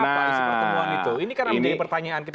nah ini karena menjadi pertanyaan kita semua